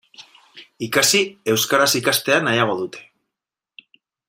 Ikasi, euskaraz ikastea nahiago dute.